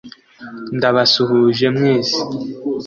“Ndabasuhuje mwese